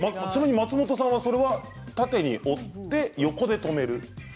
松本さんそれは縦に折って横で留める。